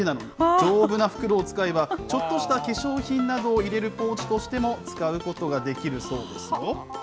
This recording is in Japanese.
丈夫な袋を使えば、ちょっとした化粧品などを入れるポーチとしても使うことができるそうですよ。